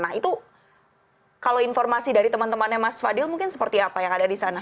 nah itu kalau informasi dari teman temannya mas fadil mungkin seperti apa yang ada di sana